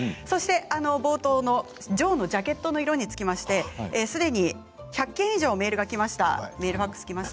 そして冒頭のジョーのジャケットの色につきましてすでに１００件以上メールがきました。